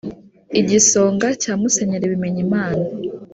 Igisonga cya Musenyeri Bimenyimana